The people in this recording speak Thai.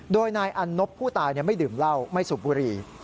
โดยนายอันนบผู้ตายไม่ดื่มเหล้าไม่สูบบุหรี่